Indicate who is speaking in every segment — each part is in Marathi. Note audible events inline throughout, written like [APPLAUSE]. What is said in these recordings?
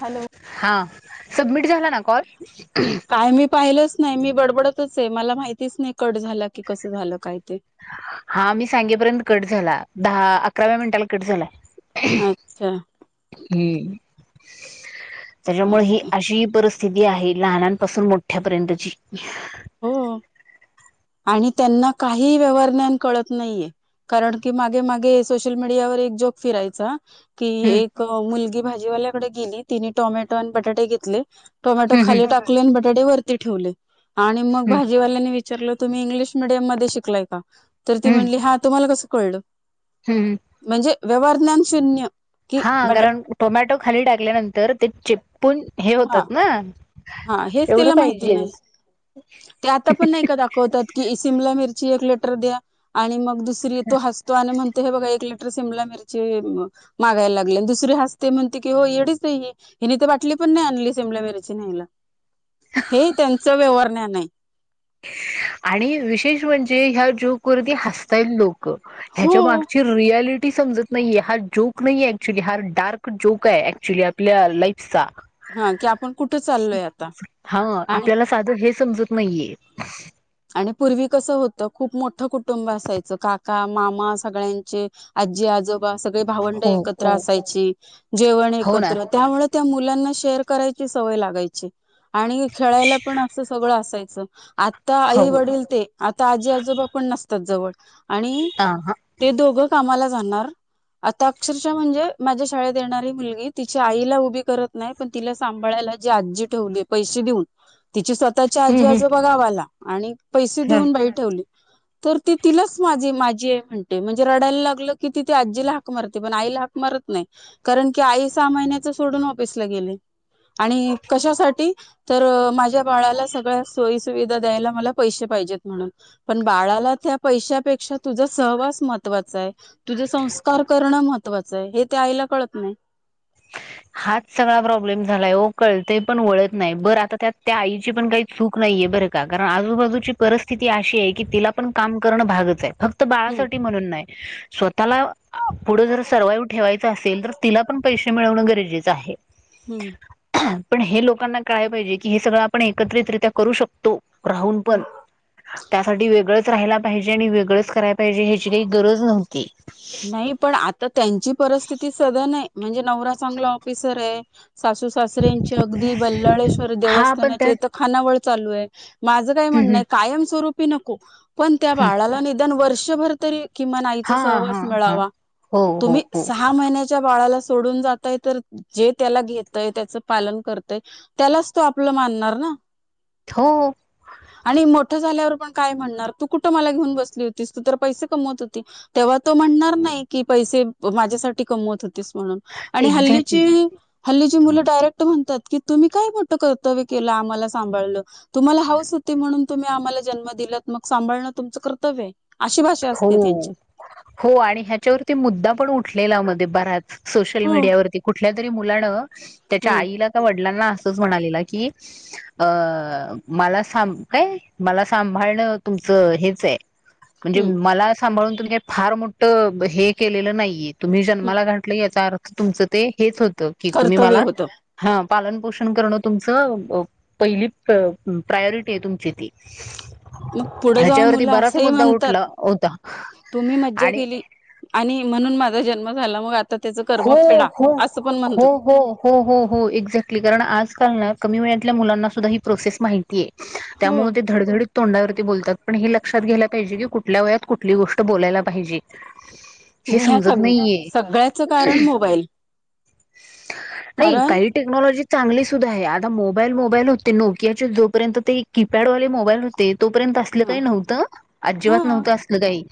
Speaker 1: हॅलो.
Speaker 2: हा. सबमिट झाला ना कॉल?
Speaker 1: काय मी पाहिलंच नाही मी बडबडतच आहे मला माहितीच नाही कट झाला की, कसं झालं काय ते?
Speaker 2: हा मी सांगेपर्यंत कट झाला, दहा अकराव्या मिनिटाला कट झालाय.
Speaker 1: अच्छा
Speaker 2: हम्म. [INAUDIBLE] त्याच्यामुळे ही
Speaker 1: चालतंय
Speaker 2: अशी परिस्थि थिती आहे लहानांपासून मोठ्या पर्यंतची.
Speaker 1: हो आणि त्यांना काही व्यवहार ज्ञान कळत नाहीये, कारण की मागे मागे सोशल मीडियावर एक जोक फिरायचा कि
Speaker 2: हम्म
Speaker 1: एक मुलगी भाजी जीवाल्याकडे गेली ति टोमॅटो आणि बटाटे घेतले टोमॅटो
Speaker 2: हम्म हम्म
Speaker 1: खाली टाकले आणि ब कडे वरती ठेवले. आणि मग
Speaker 2: हम्म
Speaker 1: भाजीवाल्यांनी विच विचल तुम्ही इंग्लिश मिडयम मध्ये शिकलाय का? तर ती
Speaker 2: हम्म
Speaker 1: म्हटली हा तुम्हाला कसं. कळलं.
Speaker 2: हम्म.
Speaker 1: म्हणजे व्यवहार ज्ञान शून्य. कि
Speaker 2: हा
Speaker 1: बटा
Speaker 2: कारण टोमॅटो खाली टाकल्यानंतर ते चिप्पून हे
Speaker 1: हा
Speaker 2: होतात ना?
Speaker 1: हा हेच
Speaker 2: एवढं
Speaker 1: त्याला माहिती
Speaker 2: पाहिजे
Speaker 1: नाही. ते आता पण नाही का दाखवतात की सिमला मिर एक लेटर द्या आणि मग य तो हस्तो आणि म्हण त हे बाग एक लिटर शिमला मिरची मागायला लागल्या आणि दुसरी हसत्या म्हणते येडीच बाई हाय हिने तर बाटली पण नाही आणली शिमला मिरची न्हेयला हे त्याचं [UNINTELLIGIBLE] नाही
Speaker 2: आणि विशेष म्हणजे ह्या जो करदी हताईल लो
Speaker 1: हो
Speaker 2: हच्या माग रल समजत नाहीये हा जोक नाहीे ऍक्च्युली हा डार्क जोक
Speaker 1: हा की आपण कुठे चाललोय आता आणि
Speaker 2: नाहीे
Speaker 1: आणि पूर्वी कसं होतं खूप मोठं कुटुंब असायचं काका मामा सगळ्यांचे आजी आजो सग भावंड
Speaker 2: हो
Speaker 1: एकत्र
Speaker 2: हो
Speaker 1: असायची जेवण
Speaker 2: हो ना
Speaker 1: एकत्र त्यामुळे त्या मुलांना शेअर करायची सवय लागायची आणि खेळायला पण असं सगळं असायचं आ आता
Speaker 2: हो
Speaker 1: आई वडील ते आता आजी आजोबा पण नस जवळ आणि
Speaker 2: ह ह
Speaker 1: ते दोघं कामाला ण मा्या श मु त आ नाही त ठ त्याच्या आजी
Speaker 2: हम्म
Speaker 1: आजो बघाव आला आणि पैसे
Speaker 2: हम्
Speaker 1: देऊन बाई ठेवली तर ती तिलाच माझी माझी आहे म्हणते म्हणजे रडायला लागलं की ती ते आजीला हाक मारते पण आईला हाक मारत नाही कारण की आई सहा महिन्याच सोडून ऑफिसला गेले आणि कशासाठी तर माझ्या बाळाला सगळ्या सोयी सुवि द्यायला मला पैसे पाहिजेत म्हणून पण बाळाला त्या पैशापेक्षा तुझा सहवास महत्वाचा आहे तुझ संस्कार करणं महत्त्वाचं आहे हे ते आईला कळत नाही
Speaker 2: हाच सगळा प्रॉब्लेम झालाय कळत पण वळत नाही बर आता त्या त्या आईची पण काही चूक नाहीये बरं का कारण आजूबाजूची परिस्थिती अशी आहे की तिला पण काम करणं भागच आहे फक्त तो
Speaker 1: हम्म
Speaker 2: बाळासाठी म्हणून नाही स्वतःला पुढे जर सर्वाइव ठेवायच असेल तर तिला पण पैसे मिळवणं गरजेचं आहे
Speaker 1: हम्म
Speaker 2: पण हे लोकांना काय पाहिजे की हे सगळं आपण एकत्रितरित्या करू शकतो राहून पण त्यासाठी वेगळंच राहिला पाहिजे आणि वेगळंच कराय पाहिजे ह्याची काही गरज नव्हती
Speaker 1: नाही पण आता त्यांची परिस्थिती सध नाही म्हणजे नवरा चांगला ऑफिसर आहे सासू सासऱ्यांची अगदी बल्लाळेश्वर
Speaker 2: हा पण त्यात
Speaker 1: देवस्थानाचेथ खानावळ चालू आहे माझं काय
Speaker 2: हम्म
Speaker 1: म्हणणंय
Speaker 2: हम्म
Speaker 1: कायमस्वरूप पनकू पण त्या बाळाला नि वर्षभर तरी किंन
Speaker 2: हा
Speaker 1: आईचा सहवाज
Speaker 2: हा हा हो
Speaker 1: त
Speaker 2: हो हो
Speaker 1: सहा म ळाला सोडून जातय तर जे त्याला घेतय त्याच पालन करतय त्यालाच तो आपलं मानणार ना
Speaker 2: हो
Speaker 1: ठ झाल्यावर पण काय म्हण तू कुठ मला घेऊन बसली होतीस तू तर पैसे कमवत होती तेव्हा तो म्हणणार नाही की पैसे माझ्यासाठी कमवत हो म्हणून आणि हल्लीची
Speaker 2: एक्झॅक्टली
Speaker 1: हल्लीची मुलं डायरेक्ट म्हणतात की तुम्ही काय मोठं कर्तव्य केलं आम्हाला सांभाळलं तुम्हाला हाऊस होती म्हणून तुम्ही आम्हाला जन्म दिलात मग सांभाळं तुमचं कर्तव्य अशी भाषा
Speaker 2: हो
Speaker 1: असते त्यांची
Speaker 2: हो आणि ह्याच्यावरती मुद्दा पण उठलेला म बराच सोशल
Speaker 1: हो
Speaker 2: मीडियावरती कुठल्या तरी मुलानं त्याच्या
Speaker 1: हम्म
Speaker 2: आईला का वाट लांना असंच म्हणालेलं की अ मला स काय मला सांभाळणं तुमचं हेच आहे म्हणजे
Speaker 1: हम्म
Speaker 2: मला सांभाळून तुम्ही काही फार मोठं हे केलेलं नाहीये तुम्ही
Speaker 1: हम्म
Speaker 2: जन्माला घातलय याचा अर्थ तुमचं ते हेच होतं की तुम्ही
Speaker 1: कर्तव्य
Speaker 2: मला
Speaker 1: होतं
Speaker 2: हा पालनपोषण करणं तुमचं पहिली प्रायोरिटी आहे तुमची ती
Speaker 1: मग पुढं जाऊन
Speaker 2: ह्याच्यावरती
Speaker 1: मुलं
Speaker 2: बराच
Speaker 1: असंही
Speaker 2: मुद्दा
Speaker 1: म्हणत
Speaker 2: उठला होता
Speaker 1: तुम्ही मज्जा
Speaker 2: आणि
Speaker 1: केली आणि म्हणून माझं जन्म झाला मग त्याच कर्म
Speaker 2: हो
Speaker 1: फेडा
Speaker 2: हो
Speaker 1: असं पण
Speaker 2: हो
Speaker 1: म्हणतात
Speaker 2: हो हो हो हो एक्झॅक्टली कारण आजकाल ना कमी वयातल्या मुलांना सुद्धा ही प्रोसेस माहितीेय
Speaker 1: हो
Speaker 2: त्यामुळे ते धडधड तोंडावरती बोलतात पण हे लक्षात घ्यायला पाहिजे की कुठल्या वयात कुठली गोष्ट बोलायला पाहिजे. हे
Speaker 1: आणि ह्या
Speaker 2: समजत नाहीये
Speaker 1: स सगळ्याचं
Speaker 2: नाही
Speaker 1: कारण
Speaker 2: काही टेक्नॉलॉजी चांगले सुद्धा आहे आता मोबाईल मोबाईल होते नोकियाचे जोपर्यंत ते एक कीपॅड वाले मोबाईल होते तोपर्यंत असलं
Speaker 1: हा
Speaker 2: काही नव्हतं अं‌ अजिबात
Speaker 1: हा
Speaker 2: नव्हतं असलं काही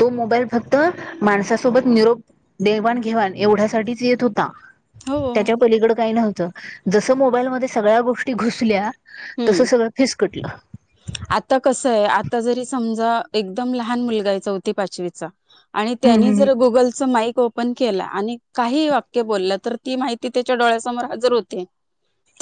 Speaker 2: तो मोबाईल फक्त माणसासोबत निरोप देवाण घेवाण एवढ्यासाठीच येत होता
Speaker 1: हो
Speaker 2: त्याच्या पलीकडं काही नव्हतं जसं मोबाईलमध्ये सगळ्या गोष्टी घुसल्या तसं
Speaker 1: हम्
Speaker 2: सगळं फिसकटलं
Speaker 1: आता कसयं‌ आता जरी सम एकदम लहान मुलगा आहे चौथी पाचवीचा आणि
Speaker 2: हम्
Speaker 1: त्यानी
Speaker 2: हम
Speaker 1: जर गुगलचं माईक ओपन केला आणि काही वाक्य बोललं तर ती माहिती त्याच्या डोळ्यासमोर हजर होते.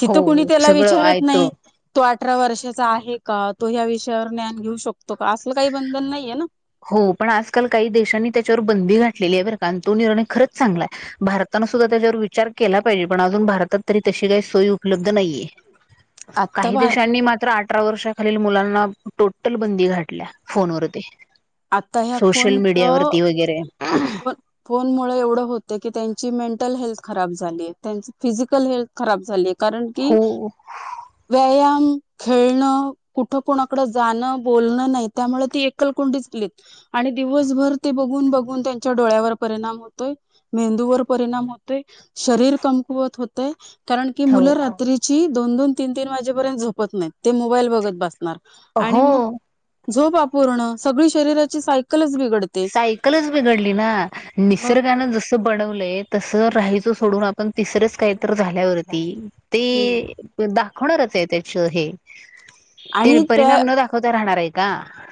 Speaker 1: तिथं कुणी
Speaker 2: हो
Speaker 1: त्याला
Speaker 2: सगळं
Speaker 1: विचारत
Speaker 2: आयत
Speaker 1: नाही तो अठरा वर्षाचा आहे का तो ह्या विषयावर ज्ञान घेऊ शकतो का असलं काही बंधन नाहीये ना
Speaker 2: हो पण आजकाल काही देशांनी त्याच्यावर बंदी घालेली आहे बरं का आणि तो निर्णय खरंच चांगला आहे भारतानं सुद्धा त्याच्यावर विचार केला पाहिजे पण अजून भारतात तरी तशी काही सोयी उपलब्ध नाहीये
Speaker 1: आत्ता
Speaker 2: काही
Speaker 1: भार
Speaker 2: देशांनी मात्र आठ अठरा वर्षाखालील मुलांना टोटल बंदी घातल्या फोनवरती सोशल मीडियावरती वगैरे
Speaker 1: फोनमुळं एवढं होतं की त्यां ची मेंटल हेल्थ खराब झाली त्यां फिजिकल हेल्थ खराब झाली कारण की
Speaker 2: हो
Speaker 1: व्यायाम खेळणं कुठं कुणाकडं जाणं बोलणं नाही त्यामुळे ती एकलकोंडी झाली आणि दिवसभर ते बघून बघून त्या च्या डोळ्यावर परिणाम होतोय मेंदूवर परिणाम होतोय शरीर कमकुवत होतंय कारण की मुलं
Speaker 2: हो
Speaker 1: रात्रीची दोन दोन तीन तीन वाजेपर्यंत झोपत नाहीत ते मोबाईल बघत बसणार
Speaker 2: अ ह
Speaker 1: झोपपण सग शरीराची साय
Speaker 2: सायकलच बिघडली नि
Speaker 1: मग
Speaker 2: ज बन त सोडून आपण तिसरंच काहीत झाल्यावरती ते दा होणारच त्याच हे ते
Speaker 1: आणि त्या
Speaker 2: परिणाम न दाखवता राहणार आहेत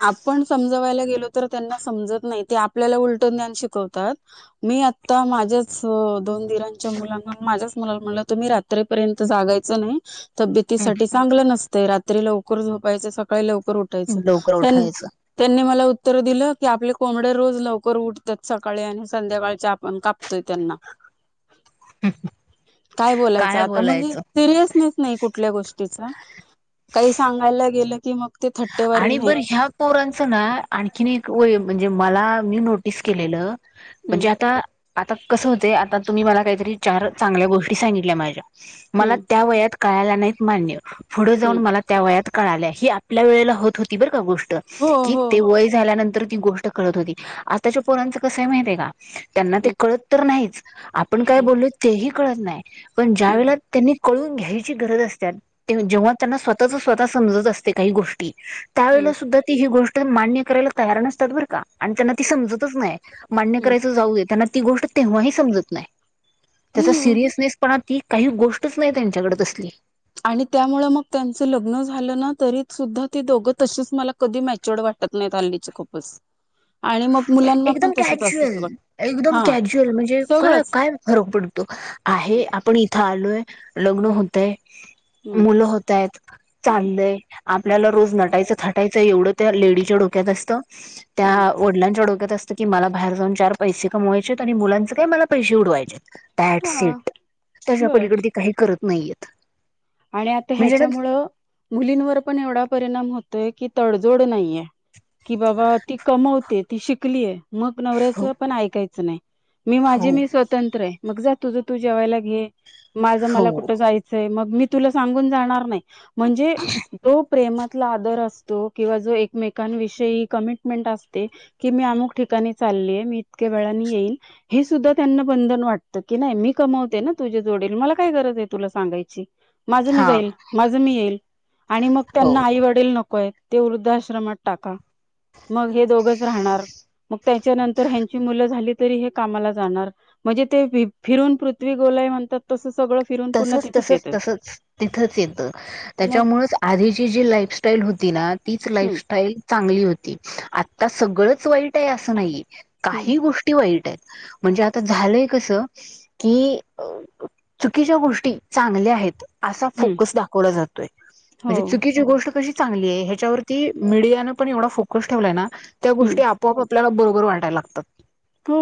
Speaker 1: आपण समजवायला गेलो तर त्यांना समजत नाही ते आपल्याला उलटून द शिकवतात मी आता माझ्याच दोन ीरांच्या मुलांना माझ्याच मुलाला म्हणलं तुम्ही रात्रीपर्यंत जागायच नाही. तब्येतीसाठी चांगलं नसत. ते रात्री लवकर झोपायच सकाळी लवकर उठायचं
Speaker 2: लवकर उठायचं
Speaker 1: नी मला उत्तर दिलं की आपले कोंबड रोज लवकर उठतात सकाळी आणि संध्याकाळ आपण कापतोय त्यांना
Speaker 2: हम् ह.
Speaker 1: काय बोलायचं आता म्हणजे सिरियसनेस नाही कुठल्या गोष्टीचा काही सांगायला गेलं की मग? ते थट्टेवारी
Speaker 2: आणि बर
Speaker 1: नाहीत.
Speaker 2: ह्या पोरांचं ना आणखीन एक व म्हणजे मला मी नोटीस केलेलं.
Speaker 1: हं,
Speaker 2: म्हणजे आता आता कसं होते आता तुम्ही मला काहीतरी चार चांगल्या गोष्टी सांगितल्या माझ्या मला
Speaker 1: हं,
Speaker 2: त्या वयात कळायला नाहीत मान्य पुढं जाऊन
Speaker 1: हं.
Speaker 2: मला त्या वयात कळाल्या ही आपल्या वेळेला होत होती बर का गोष्ट
Speaker 1: हो,
Speaker 2: की
Speaker 1: हो.
Speaker 2: ते वय झाल्यानंतर ती गोष्ट करत होती आताच्या पोरांच कसंय माहती आहे का? त्यांना
Speaker 1: हं.
Speaker 2: ते कळत तर नाहीच. आपण काय
Speaker 1: हम्म
Speaker 2: बोललो तेही कळत नाही पण ज्या
Speaker 1: हम्म
Speaker 2: वेळेला त्यांनी कळून घ्यायची गरज असतते ते जेव्हा त्यांना स्वतःच स्वतः समजत असते काही गोष्टी त्यावेेळेला
Speaker 1: हम्म
Speaker 2: सुद्धा ती ही गोष्ट माण्य करायला तयार न असतात बरं का? आणि त्यांना ती समजतच नाही मान्य
Speaker 1: हम्म
Speaker 2: करायचं जाऊय त्यांना ती गोष्ट तेव्हाही समजत नाही. त्याचा
Speaker 1: हम्म
Speaker 2: सिरयसनेस पणा ती काही गोष्टच नाही त्यांच्याकडे तसली
Speaker 1: आणि त्यामुळे मग त्यांच लग्न झालं ना तरी सुद्धा ती दोघं तशीच मला कधी मॅच्युर्ड वाटत नाहीतली खूपच आणि मग मुलांना पण
Speaker 2: एकदम
Speaker 1: तसच असतं
Speaker 2: कॅज्युअल
Speaker 1: सगळं
Speaker 2: एकदम
Speaker 1: हा
Speaker 2: कॅज्युअल म्हणजे का
Speaker 1: सगळंच
Speaker 2: काय फरक पडतो आहे
Speaker 1: हम्म
Speaker 2: आपण इथ लूय लग्न होतय
Speaker 1: हम्म
Speaker 2: मुलं होतय
Speaker 1: हम्म
Speaker 2: चाललंय आपल्याला रोज नटायचं थटायचं एवढं त्या डीच्या डोक्यात असतं
Speaker 1: हम्म
Speaker 2: त्या डं डोकत की मला बाहेर जाऊन चार पैसे कमवायचे आणि मुलांच काय मला पैसे उडवायचे द स
Speaker 1: हा
Speaker 2: त्याच्या
Speaker 1: बस
Speaker 2: पलीकड काही करत नाहीैत
Speaker 1: आणि आता ह्याच्यामु मुलींवर पण एवढा परिणाम होतोय की तडजोड नाहीये की बाबा ती कमवते ती शिकलीय मग
Speaker 2: हो
Speaker 1: नवऱ्याचं पण ऐकायचं नाही मी माझी
Speaker 2: हो
Speaker 1: मी स्वतंत्र आहे मग जात तुझ तू जेवायला घे माझं
Speaker 2: हो
Speaker 1: मला कुठं जायचंय मग मी तुला सांगून जाणार नाही म्हणजे तो प्रेमातला आदर असतो किंवा जो एकमेकांविषयी कमिटमेंट असते की मी अमुक ठिकाणी चाललीय मी इतक्या वेळानी येईन हे सुद्धा त्यांना बंधन वाटत की नाही मी कमवते ना तुझ्या जोडेील मला काय गरज आहे तुला सांगायची माझं मी
Speaker 2: हा
Speaker 1: जाईल माझं मी येईल आणि मग त्यांना
Speaker 2: हो
Speaker 1: आई वडेल नकोय ते वृद्धश्रमात टाका मग हे दोघच राहणार मग त्याच्यानंतर ह्यांची मुलं झाली तरी हे कामाला जाणार म्हणजे ते फिरून पृथ् गोलाय म्हणतात तस
Speaker 2: तसच तसच तसच तिथंच येत
Speaker 1: मग
Speaker 2: त्याच्यामुळेच आधीची जी लाईफस्टाईल होती ना
Speaker 1: हम्म
Speaker 2: लााई चगली होती तर सगळंच वाईट आहे असं नाही
Speaker 1: हम्म
Speaker 2: काही गोष्टी वाईट आहेत म्हणजे आता झालंय कस की बाकीच्या गोष्टी चांगल्या आहेत असा
Speaker 1: हम्म
Speaker 2: फोकस दाखवला जातोय
Speaker 1: हो
Speaker 2: म्हणजे चुकीची गोष्ट कशी चांगली आहे ह्याच्यावरती मीडियानं पण एवढा फोकस ठेवलाय ना त्या
Speaker 1: हम्म
Speaker 2: गोष्टी आपोआप आपल्याला बरोबर वाटायला लागतात
Speaker 1: त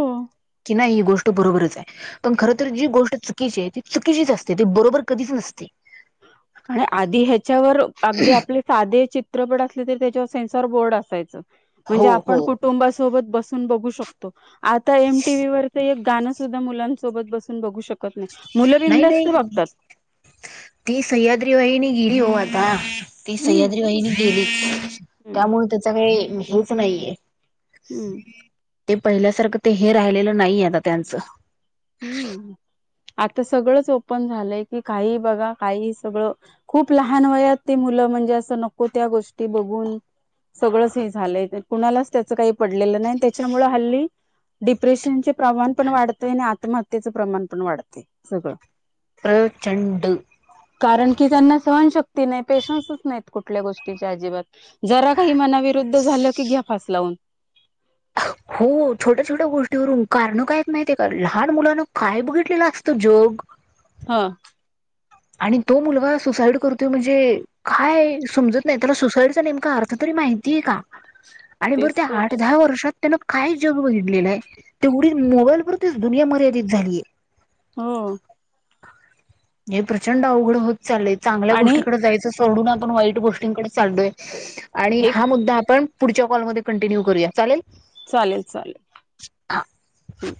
Speaker 2: की नाही ह गो बरोबरच पण खर जी गो चुकी चुकीशीच असते ते बरोबर कधीच नसते
Speaker 1: आणि आधी ह्याच्यावर अगदी आपले साधे चित चित्रपट असले तरी त्याच्यावर सेन्सर बोर्ड असायचं म्हणजे
Speaker 2: हो
Speaker 1: आपण
Speaker 2: हो
Speaker 1: कुटुंबासोबत बस ून बघू शकतो आता एमटी व् वरच एक गाणं सुद्धा मुलांसोबत बसून बघू शकत नाही मुलं
Speaker 2: नाही
Speaker 1: बिंदास्त
Speaker 2: नाही
Speaker 1: बघतात
Speaker 2: ती स्याद व नि गिरी होवता ती
Speaker 1: हम्म
Speaker 2: सह्याद्रीबाईनी गेली
Speaker 1: हम्म
Speaker 2: त्यामुळ त्याच्याकय हेच नाहीये
Speaker 1: हम्म
Speaker 2: हम् ते पहिल्यासारखं ते हे राहिलेलं नाहीये आता त्यांचं
Speaker 1: हम्म आता सगळंच ओपन झालंय की काही बघा काही सगळं खूप लहान वयात ते मुलं म्हणजे असं नको त्या गोष्टी बघून सगळंच हे झालंय कुणालाच त्याच काही पडलेलं नाही त्याच्यामुळ हल्ली डिप्रेशनचे प्रवाान पण वाढतय आणि आ आत्महत्येचं प्रमाण पण वाढते सगळं
Speaker 2: प्रचंड
Speaker 1: कारण की त्यांना सहन शकतो ती नाही पेशन्सच नाहीत कुठल्या गोष्टीच्या अजिबात जरा काही मनाविरुद्ध झालं की घ्या फास लावून
Speaker 2: हो छोट्या छोट्या गोष्टीवरून कारणं कायत माहिे का लहान मुलानं काय बघितलेलं असतं जग
Speaker 1: हा
Speaker 2: आणि तो मुलगा सुसाईड करतोय म्हणजे काय समजत नाही त्याला सुसाईडचा नेमका अर्थ तरी माहितीय का आणि बरं
Speaker 1: तेच
Speaker 2: त्या
Speaker 1: तर
Speaker 2: आठ दहा वर्षात त्यांन काय जग घडलेलं आहे तेवढी मोबाईलवररतीच दुनिया मर्यादित झालीय
Speaker 1: हो
Speaker 2: हे प्रचंड अवघड होत चालेल चांगल्या
Speaker 1: आणि
Speaker 2: गोष्टीकडे जायचं सोडून आपण वाईट गोष्टींकडे चाढलोय आणि
Speaker 1: हे
Speaker 2: हा मुद्दा आपण पुढच्या कॉलमध्येध्ये कंटिन्यू करूया चालेल
Speaker 1: चालेल चालेल हम्